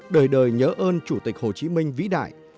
đời đời nhớ ơn chủ tịch hồ chí minh vĩ đại